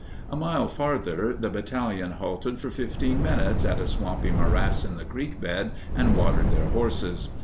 A mile farther the battalion halted for 15 minutes at a swampy morass in the creek bed and watered their horses.